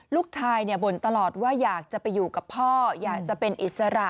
ลูกชายบ่นตลอดว่าอยากจะไปอยู่กับพ่ออยากจะเป็นอิสระ